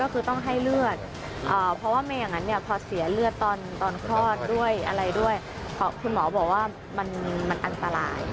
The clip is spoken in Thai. เพราะว่าไม่อย่างนั้นพอเสียเลือดตอนคลอดด้วยคุณหมอบอกว่ามันอันตราย